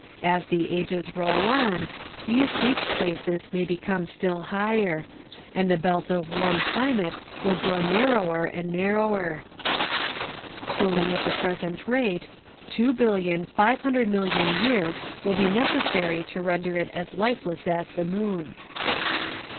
As the ages roll on, these weak places may become still higher; and the belt of warm climate will grow narrower and narrower. Cooling at the present rate, 2,500,000,000 years will be necessary to render it as lifeless as the moon.